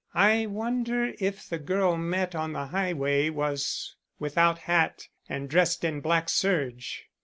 "I wonder if the girl met on the highway was without hat and dressed in black serge."